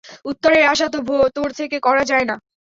উত্তরের আশা তো তোর থেকে করা যায় না।